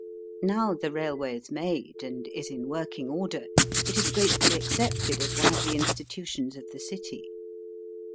Now the railway is made and is in working order it is gratefully accepted as one of the institutions of the city.